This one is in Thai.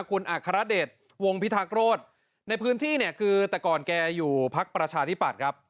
คุณอัครเดชวงพิทักษ์โรธในพื้นที่เนี่ยคือแต่ก่อนแกอยู่พักประชาธิปัตย์ครับ